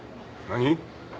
何？